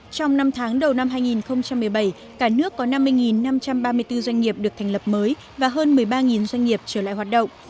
trong năm tháng đầu năm hai nghìn một mươi bảy cả nước có năm mươi năm trăm ba mươi bốn doanh nghiệp được thành lập mới và hơn một mươi ba doanh nghiệp trở lại hoạt động